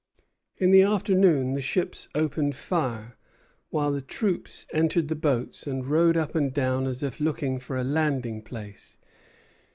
In the afternoon the ships opened fire, while the troops entered the boats and rowed up and down as if looking for a landing place.